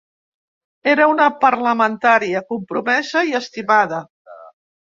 Era una parlamentària compromesa i estimada.